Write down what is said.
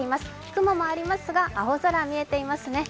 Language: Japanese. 雲もありますが青空、見えていますね。